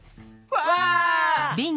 わあ！